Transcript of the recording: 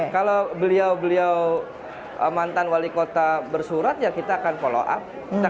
kalau beliau beliau mantan wali kota bersurat ya kita akan follow up